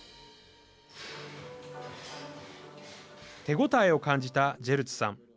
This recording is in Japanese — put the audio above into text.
手応えを感じたジェルツさん。